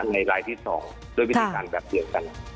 ในรายที่๒ด้วยวิธีการแบบเดียวกัน